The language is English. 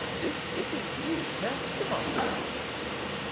This hitteth you exactly, Master Nicholas."